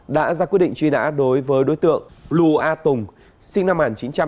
đã ra quyết định truy nã đối với đối tượng lù a tùng sinh năm một nghìn chín trăm tám mươi